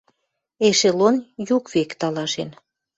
Эшелон юг век талашен